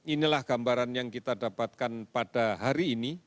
inilah gambaran yang kita dapatkan pada hari ini